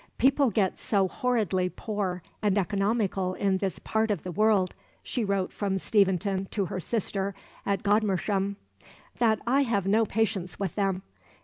"People get so horridly poor and economical in this part of the world," she wrote from Steventon to her sister at Godmersham, "that I have no patience with them.